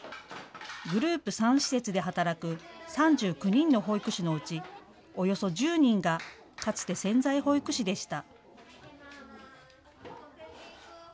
グループ３施設で働く３９人の保育士のうち、およそ１０人がかつて潜在保育士でした。